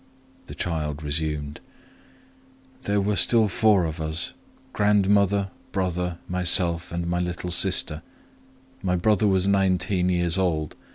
127 The child resumed:— "There were still four of us,—grandmother, brother, myself, and my little sister. My brother was nineteen years old.